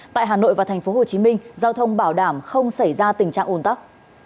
tại hà nội và tp hcm giao thông bảo đảm không xảy ra tình trạng ồn tắc